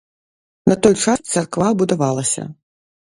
На той час царква будавалася.